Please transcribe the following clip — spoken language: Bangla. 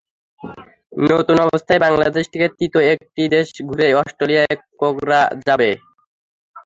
নতুন অবস্থায় বাংলাদেশ থেকে তৃতীয় একটি দেশ ঘুরে অস্ট্রেলিয়াতে কাের্গা যাবে।